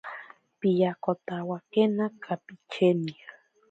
Piyakotawakena kapicheni.